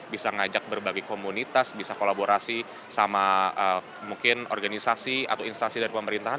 bisa ngajak berbagai komunitas bisa kolaborasi sama mungkin organisasi atau instansi dari pemerintahan